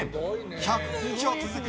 １００年以上続く